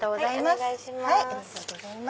お願いします。